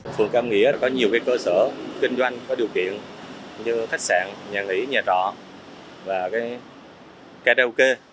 phường cam nghĩa có nhiều cơ sở kinh doanh có điều kiện như khách sạn nhà nghỉ nhà trọ và karaoke